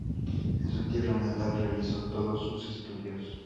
En su tierra natal realizó todos sus estudios.